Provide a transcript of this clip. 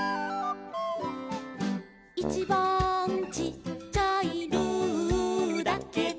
「いちばんちっちゃい」「ルーだけど」